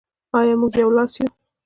آیا موږ یو لاس یو؟